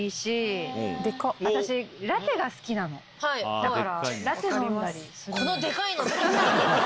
だから。